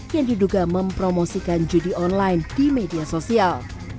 yang diduga mempromosikan judi online di media sosial